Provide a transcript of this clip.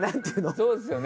そうですよね。